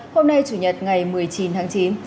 hôm nay chủ nhật ngày một mươi chín tháng chín